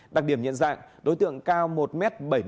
đặc điểm nhận dạng đối tượng cao một m bảy mươi